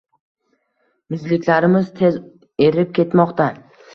Muzliklarimiz tez erib ketmoqda